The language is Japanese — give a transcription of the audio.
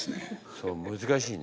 そう難しいね。